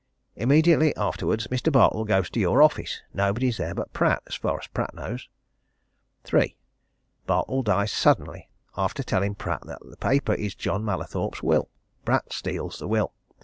Immediately afterwards Mr. Bartle goes to your office. Nobody is there but Pratt as far as Pratt knows. "3. Bartle dies suddenly after telling Pratt that the paper is John Mallathorpe's will. Pratt steals the will.